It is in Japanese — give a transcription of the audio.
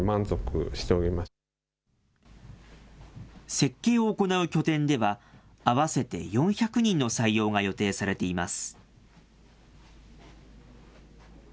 設計を行う拠点では、合わせて４００人の採用が予定されています。